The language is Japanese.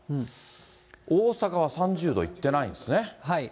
大阪は３０度いってないんですね。